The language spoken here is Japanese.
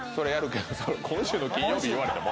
今週の金曜日言われても。